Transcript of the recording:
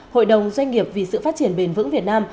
hội đồng doanh nghiệp vì sự phát triển bền vững việt nam